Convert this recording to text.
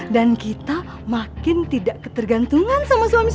dan kita makin tidak ketergantungan sama suami suami kita